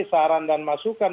saran dan masukan